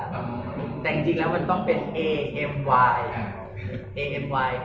ก็ค่อนข้างเกิดเห็นตรงผมแล้วยังไงพี่